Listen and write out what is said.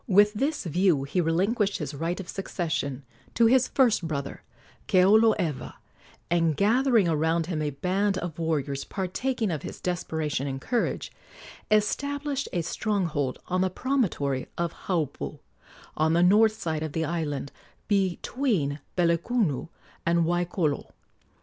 With this view he relinquished his right of succession to his first brother, Keoloewa, and, gathering around him a band of warriors partaking of his desperation and courage, established a stronghold on the promontory of Haupu, on the north side of the island, between Pelekunu and Waikolo.